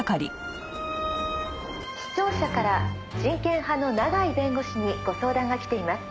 「視聴者から人権派の永井弁護士にご相談がきています」